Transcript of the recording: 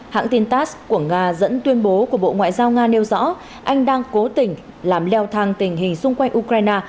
hãng tin tass của nga dẫn tuyên bố của bộ ngoại giao nga nêu rõ anh đang cố tình làm leo thang tình hình xung quanh ukraine